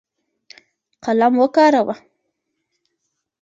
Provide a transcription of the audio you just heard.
قلم وکاروه.